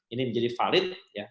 ini menjadi valid ya